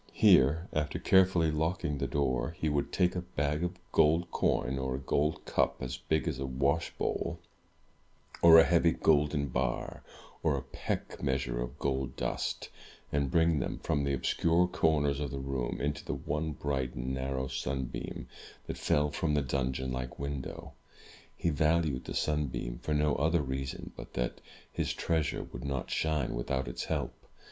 Here, after care fully locking the door, he would take a bag of gold coin, or a gold cup as big as a washbowl, or a heavy golden bar, or a peck meas ure of gold dust, and bring them from the obscure corners of the room into the one bright and narrow sunbeam that fell from the dungeon like window. He valued the sunbeam for no other reason but that his treasure would not shine without its help.